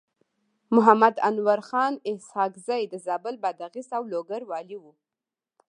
محمد انورخان اسحق زی د زابل، بادغيس او لوګر والي و.